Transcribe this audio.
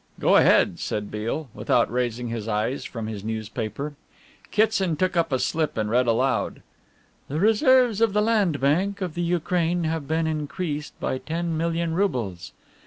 "Go ahead," said Beale, without raising his eyes from his newspaper. Kitson took up a slip and read aloud: "The reserves of the Land Bank of the Ukraine have been increased by ten million roubles.